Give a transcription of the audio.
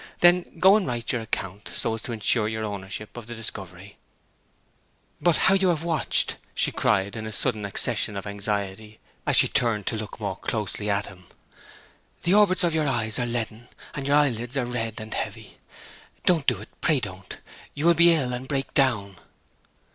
Then go and write your account, so as to insure your ownership of the discovery. ... But how you have watched!' she cried, in a sudden accession of anxiety, as she turned to look more closely at him. 'The orbits of your eyes are leaden, and your eyelids are red and heavy. Don't do it pray don't. You will be ill, and break down.'